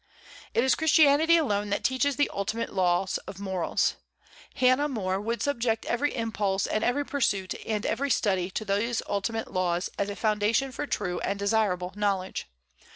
It is Christianity alone that teaches the ultimate laws of morals. Hannah More would subject every impulse and every pursuit and every study to these ultimate laws as a foundation for true and desirable knowledge.